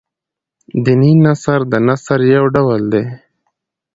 دیني نثر د نثر يو ډول دﺉ.